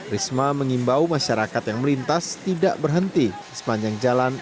risma mengimbau masyarakat yang melintas tidak berhenti di sepanjang jalan